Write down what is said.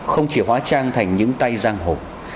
không chỉ hóa trang thành những tay giang hồn